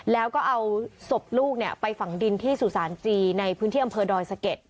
แล้วก็เอาศพลูกไปฝังดินที่สุสานจีในพื้นที่อำเภอดอยสะเก็ด